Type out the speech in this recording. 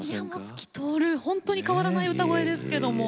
透き通るほんとに変わらない歌声ですけども。